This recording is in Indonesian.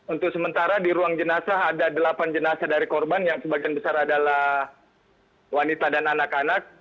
untuk sementara di ruang jenazah ada delapan jenazah dari korban yang sebagian besar adalah wanita dan anak anak